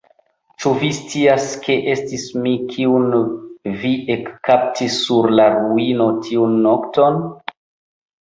Ĉu vi scias, ke estis mi, kiun vi ekkaptis sur la ruino tiun nokton?